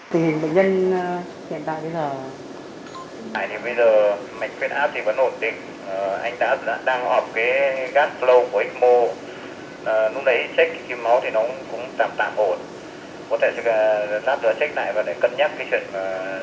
tình hình bệnh nhân hiện tại bây giờ